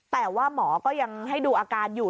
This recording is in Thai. แต่ว่าหมอก็ยังให้ดูอาการอยู่